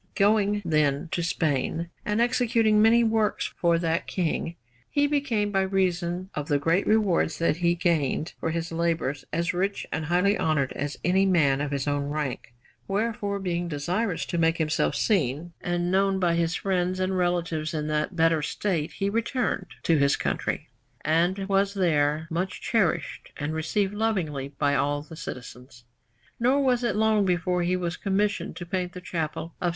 Going, then, to Spain, and executing many works for that King, he became, by reason of the great rewards that he gained for his labours, as rich and highly honoured as any man of his own rank; wherefore, being desirous to make himself seen and known by his friends and relatives in that better state, he returned to his country, and was there much cherished and received lovingly by all the citizens. Nor was it long before he was commissioned to paint the Chapel of S.